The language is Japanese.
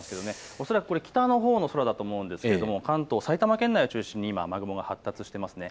恐らく北のほうの空だと思うんですが関東、埼玉県内を中心に雨雲が発達しています。